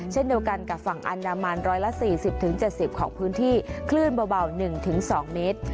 เช่นเดียวกันกับฝั่งอันดามัน๑๔๐๗๐ของพื้นที่คลื่นเบา๑๒เมตร